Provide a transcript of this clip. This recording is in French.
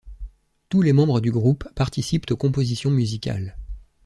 Tous les membres du groupe participent aux compositions musicales.